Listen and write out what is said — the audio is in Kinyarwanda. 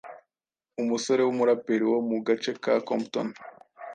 umusore w’umuraperi wo mu gace ka Compton